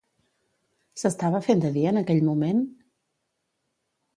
S'estava fent de dia en aquell moment?